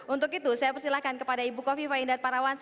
untuk itu saya persilahkan kepada ibu kofifa indad parawan